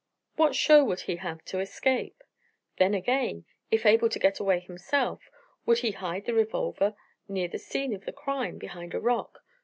What show would he have to escape? Then, again, if able to get away himself, would he hide the revolver near the scene of the crime, behind a rock?